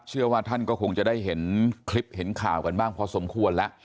เชื่อว่าท่านก็คงจะได้เห็นคลิปเห็นข่าวกันบ้างพอสมควรแล้ว